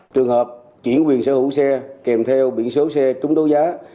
trường hợp chuyển quyền sở hữu xe kèm theo biển số xe trúng đấu giá